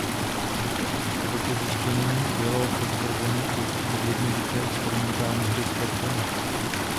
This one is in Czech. Toto zjištění bylo potvrzeno u lidí v jednoduché experimentální hře s kartami.